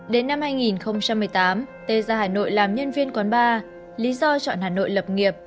đến năm hai nghìn một mươi tám t ra hà nội làm nhân viên quán bar lý do chọn hà nội lập nghiệp